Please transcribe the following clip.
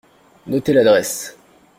Notez l’adresse.